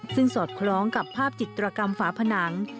ซึ่งสอดคล้องกับภาพจิตรกรรมฝาผนัง